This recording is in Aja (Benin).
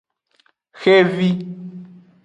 Xevi.